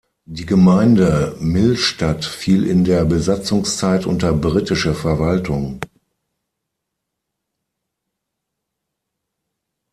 Die Gemeinde Millstatt fiel in der Besatzungszeit unter britische Verwaltung.